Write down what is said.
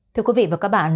thưa quý vị và các bạn